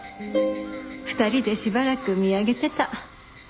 ２人でしばらく見上げてた。